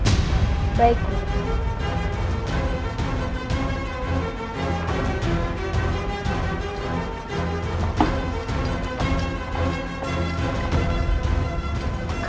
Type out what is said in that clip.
jaka kamu mau berbicara